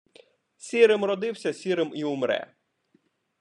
Сірим родився, сірим і умре.